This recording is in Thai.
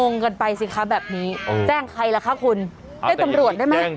งงกันไปสิคะแบบนี้แจ้งใครล่ะคะคุณแจ้งตำรวจได้ไหม